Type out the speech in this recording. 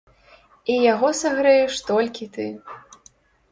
І яго сагрэеш толькі ты.